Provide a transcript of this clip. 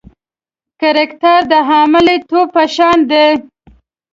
کرکټر د حامله توب په شان دی.